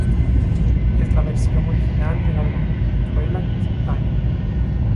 Es la versión original del álbum Twilight Time.